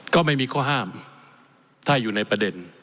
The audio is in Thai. ก็ไม่มีข้อห้ามถ้าอยู่ในประเด็น